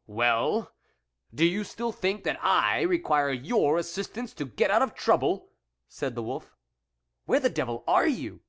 " Well, do you still think that I require your assistance to get out of trouble," said the wolf. " Where the devil are you?